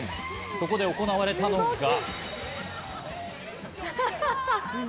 そこで行われたのが。